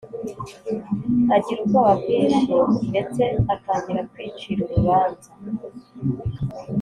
. Agira ubwoba bwinshi ndetse atangira kwicira urubanza.